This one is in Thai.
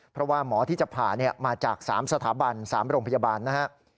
เพราะว่าหมอที่จะผ่ามาจาก๓สถาบัน๓โรงพยาบาลนะครับ